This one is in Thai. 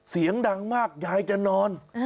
เสียงดังมากยายจะนอน